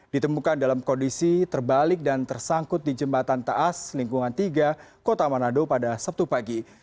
ditemukan dalam kondisi terbalik dan tersangkut di jembatan taas lingkungan tiga kota manado pada sabtu pagi